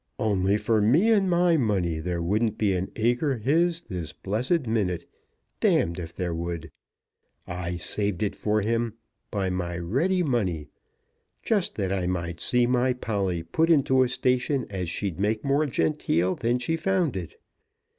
Only for me and my money there wouldn't be an acre his this blessed minute; d d if there would! I saved it for him, by my ready money, just that I might see my Polly put into a station as she'd make more genteel than she found it.